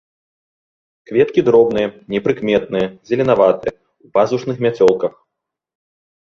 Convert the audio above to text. Кветкі дробныя, непрыкметныя, зеленаватыя, у пазушных мяцёлках.